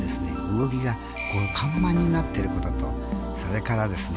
動きが緩慢になっていることとそれからですね